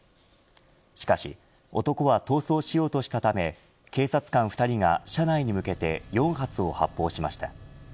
しかし男は逃走しようとしたため警察官２人が車内に向けて４発を発砲しました。